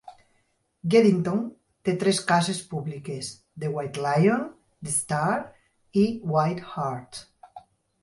Geddington té tres cases públiques: The White Lion, The Star i White Hart.